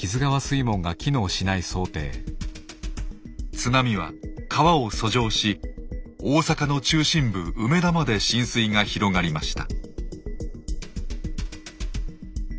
津波は川を遡上し大阪の中心部梅田まで浸水が広がりました。